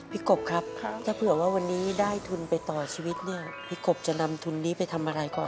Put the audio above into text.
กบครับถ้าเผื่อว่าวันนี้ได้ทุนไปต่อชีวิตเนี่ยพี่กบจะนำทุนนี้ไปทำอะไรก่อน